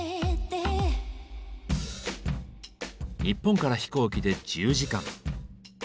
日本から飛行機で１０時間。